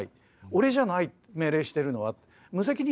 俺じゃない命令してるのは。